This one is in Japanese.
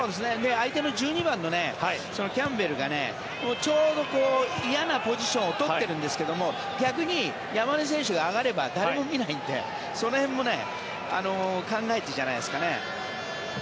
相手の１２番のキャンベルがちょうど嫌なポジションを取ってるんですけども逆に、山根選手が上がれば誰も見ないのでその辺も考えてじゃないですかね。